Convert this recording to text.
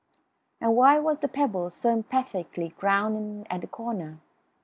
And why was the pebble so emphatically ground in at the corner?